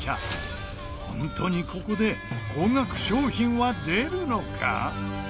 本当にここで高額商品は出るのか？